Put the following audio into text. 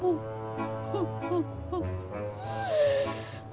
hup hup hup